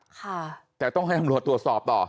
ค่ะแต่ต้องให้ตำรวจตรวจสอบต่อ